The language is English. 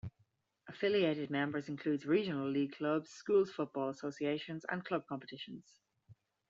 Affiliated members includes Regional League clubs, schools football associations and cup competitions.